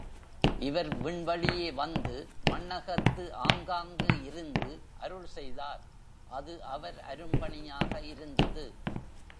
இவர் விண்வழியே வந்து மண்ணகத்து ஆங்காங்கு இருந்து அருள் செய்தார் அது அவர் அரும்பணியாக இருந்தது.